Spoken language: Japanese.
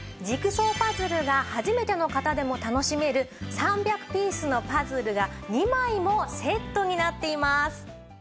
ジグソーパズルが初めての方でも楽しめる３００ピースのパズルが２枚もセットになっています。